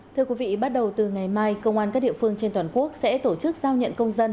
thưa quý vị bắt đầu từ ngày mai công an các địa phương trên toàn quốc sẽ tổ chức giao nhận công dân